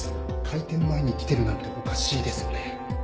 開店前に来てるなんておかしいですよね